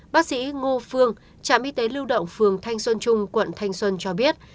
bác sĩ ngô phương trạm y tế lưu động phường thanh xuân trung quận thanh xuân cho biết